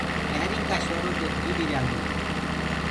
لهرينٚ ڪآ شورو دي جي ڏريآندو هي۔